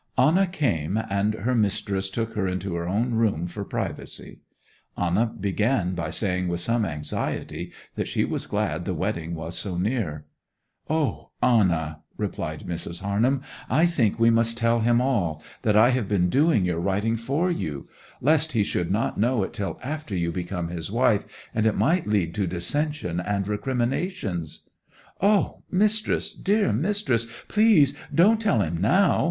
Anna came, and her mistress took her into her own room for privacy. Anna began by saying with some anxiety that she was glad the wedding was so near. 'O Anna!' replied Mrs. Harnham. 'I think we must tell him all—that I have been doing your writing for you?—lest he should not know it till after you become his wife, and it might lead to dissension and recriminations—' 'O mis'ess, dear mis'ess—please don't tell him now!